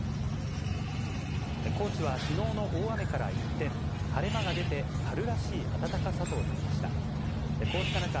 高知はきのうの大雨から一転、晴れ間が出て、春らしい暖かさとなりました。